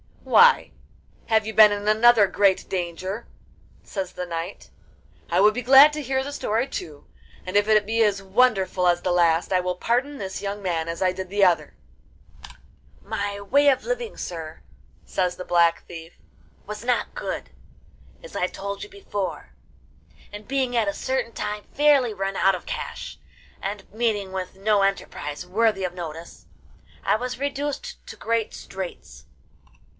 'Why, have you been in another great danger?' says the knight. 'I would be glad to hear the story too, and if it be as wonderful as the last, I will pardon this young man as I did the other.' 'My way of living, sir,' says the Black Thief, 'was not good, as I told you before; and being at a certain time fairly run out of cash, and meeting with no enterprise worthy of notice, I was reduced to great straits.